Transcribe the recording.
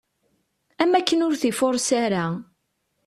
Am wakken ur t-ifures ara.